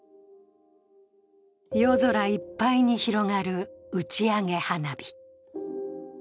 夜空いっぱいに広がる打ち上げ花火。